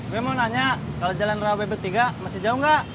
gue mau nanya kalau jalan rawa bebetiga masih jauh enggak